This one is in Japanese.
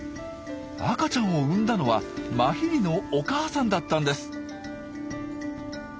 赤ちゃんを産んだのはマヒリのお母さんだったんです。